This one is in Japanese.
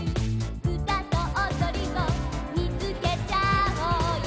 「うたとおどりを見つけちゃおうよ」